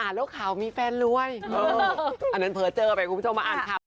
เจอไปกูพี่เจ้ามาอ่านค่ะ